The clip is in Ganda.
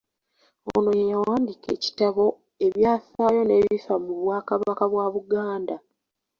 Ono ye yawandiika ekitabo “Ebyafaayo n'ebifa mu bwakabaka bwa Buganda.῝